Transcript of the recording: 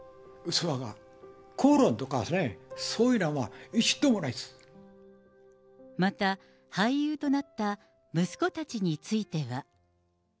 口論とか、そういうのは、一度もまた、俳優となった息子たちについては。